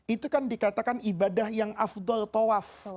itu kan dikatakan ibadah yang afdol tawaf